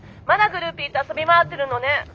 まだグルーピーと遊び回ってるのね！